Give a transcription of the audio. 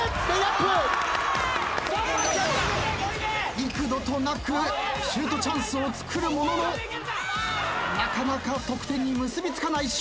幾度となくシュートチャンスをつくるもののなかなか得点に結び付かない笑